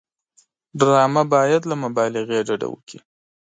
ډرامه باید له مبالغې ډډه وکړي